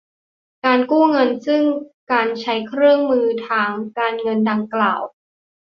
การกู้เงินซึ่งการใช้เครื่องมือทางการเงินดังกล่าว